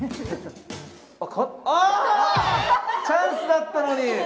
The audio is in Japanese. チャンスだったのに。